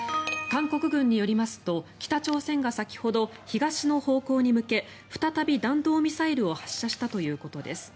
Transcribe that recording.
韓国軍によりますと北朝鮮が先ほど東の方向に向け再び弾道ミサイルを発射したということです。